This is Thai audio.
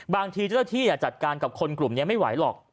บางทีเจ้าที่จัดการกับคนกลุ่มนี้ไม่ไหวหรอก